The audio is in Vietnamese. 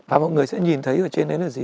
và mọi người sẽ nhìn thấy ở trên đấy là gì